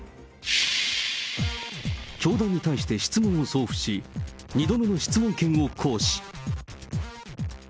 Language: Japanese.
教団に対して質問を送付し、２度目の質問権を行使。